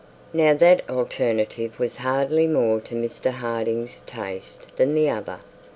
Now that alternative was hardly more to Mr Harding's taste than the other.